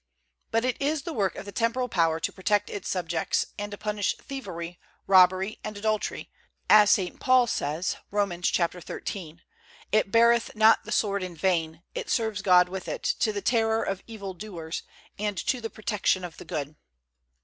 But it is the work of the temporal power to protect its subjects, and to punish thievery, robbery, and adultery, as St. Paul says, Romans xiii: "It beareth not the sword in vain; it serves God with it, to the terror of evil doers, and to the protection of the good."